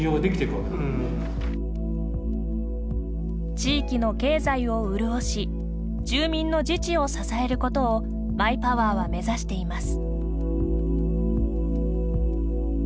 地域の経済を潤し住民の自治を支えることをマイパワーは目指しています。